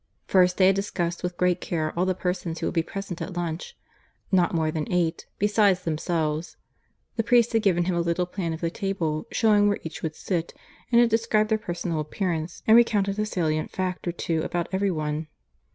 First they had discussed with great care all the persons who would be present at lunch not more than eight, besides themselves; the priest had given him a little plan of the table, showing where each would sit, and had described their personal appearance and recounted a salient fact or two about every one.